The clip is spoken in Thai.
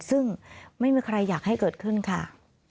ซึ่งไม่มีใครอยากให้เกิดขึ้นค่ะ